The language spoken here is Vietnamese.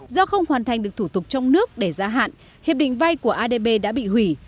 do không hoàn thành được thủ tục trong nước để giã hạn hiệp định vay của adb đã bị hủy